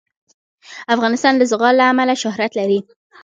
افغانستان د زغال له امله شهرت لري.